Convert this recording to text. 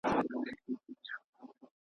د افغان په نوم لیکلی بیرغ غواړم .